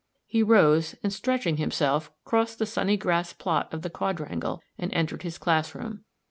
He rose, and stretching himself crossed the sunny grass plot of the quadrangle and entered his classroom.